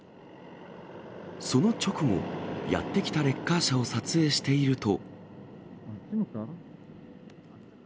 その直後、やって来たレッカー車を撮影していると。